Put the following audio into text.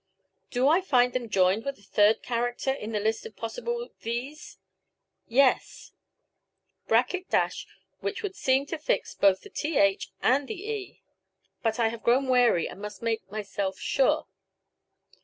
Do I find them joined with a third character in the list of possible thes? Yes..> [] which would seem to fix both the th and the e. But I have grown wary and must make myself sure.